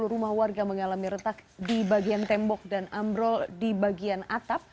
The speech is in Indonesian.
sepuluh rumah warga mengalami retak di bagian tembok dan ambrol di bagian atap